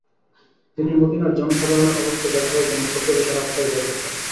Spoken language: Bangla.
তিনি মদিনার জনসাধারণের অবস্থা যাচাইয়ের জন্য ছদ্মবেশে রাস্তায় বের হতেন।